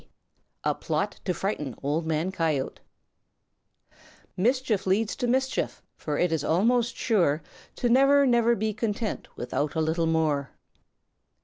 XX A PLOT TO FRIGHTEN OLD MAN COYOTE Mischief leads to mischief, for it is almost sure To never, never be content without a little more.